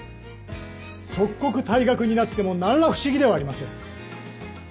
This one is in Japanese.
即刻退学になっても何ら不思議ではありません。